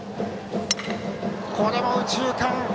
これも右中間。